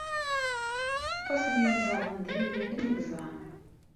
Aṭas n yinẓaden imellalen i yesɛa.